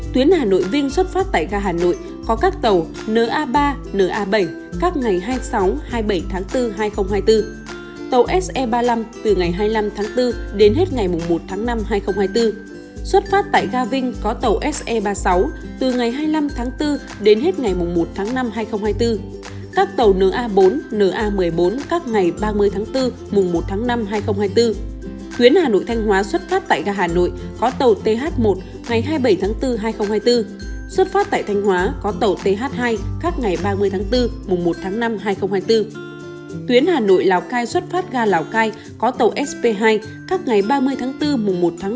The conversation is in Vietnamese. tuyến hà nội vinh xuất phát tại gà hà nội có các tàu na ba na bảy các ngày hai mươi sáu hai mươi bảy tháng bốn hai nghìn hai mươi bốn